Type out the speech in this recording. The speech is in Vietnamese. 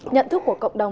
nhận thức của cộng đồng